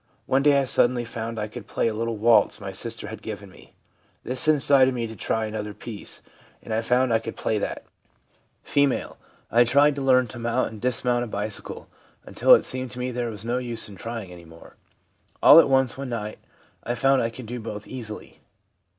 One day I suddenly found I could play a little waltz my sister had given me. This incited me to try another piece, and I found I could play that. F. 138 THE PSYCHOLOGY OF RELIGION 1 1 tried to learn to mount and dismount a bicycle, until it seemed to me there was no use in trying any more. All at once, one night, I found I could do both easily.'